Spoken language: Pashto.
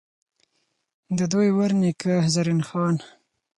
ددوي ور نيکۀ، زرين خان ،